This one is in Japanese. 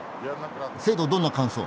生徒どんな感想？